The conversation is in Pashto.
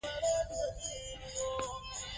تعلیم یافته نجونې د خپلو کلیوالو سره پیاوړې اړیکې لري.